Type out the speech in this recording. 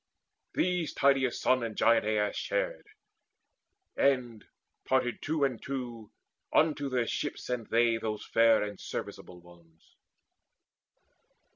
These Tydeus' son and giant Aias shared, And, parted two and two, unto their ships Sent they those fair and serviceable ones.